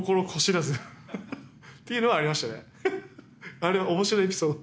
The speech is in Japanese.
あれ面白エピソード。